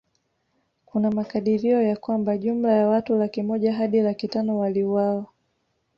Kuna makadirio ya kwamba jumla ya watu laki moja Hadi laki tano waliuawa